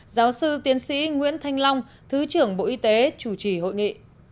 giáo sư tiến sĩ nguyễn thanh long thứ trưởng bộ y tế chủ trì hội nghị